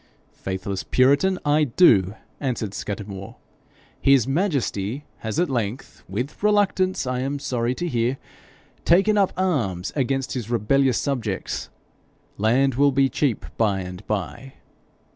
'Faithless puritan, I do,' answered Scudamore. 'His majesty has at length with reluctance, I am sorry to hear taken up arms against his rebellious subjects. Land will be cheap by and by.'